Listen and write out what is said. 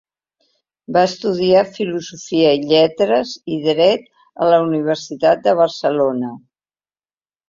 Va estudiar Filosofia i Lletres i Dret a la Universitat de Barcelona.